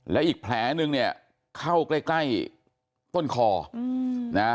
และอีกแผลนึงเนี่ยเข้าใกล้ใกล้ต้นคอนะฮะ